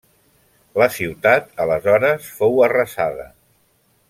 La ciutat aleshores fou arrasada.